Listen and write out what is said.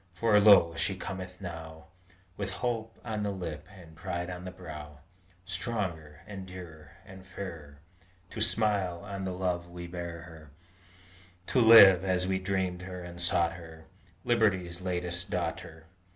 For, lo! she cometh now With hope on the lip and pride on the brow, Stronger, and dearer, and fairer, To smile on the love we bear her, To live, as we dreamed her and sought her, Liberty's latest daughter!